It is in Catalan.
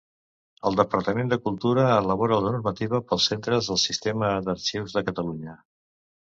El Departament de Cultura elabora la normativa pels centres del Sistema d'Arxius de Catalunya.